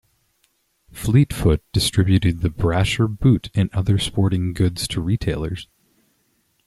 Fleetfoot distributed The Brasher Boot and other sporting goods to retailers.